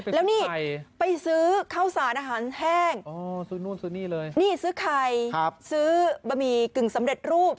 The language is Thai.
แล้วนี่ไปซื้อข้าวสารอาหารแห้งนี่ซื้อไข่ซื้อบะหมี่กึ่งสำเร็จรูป